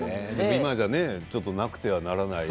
今じゃね、なくてはならない。